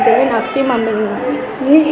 thế nên là khi mà mình nghĩ